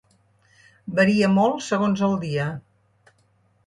Varia molt segons el dia.